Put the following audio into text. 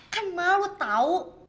kan malu tau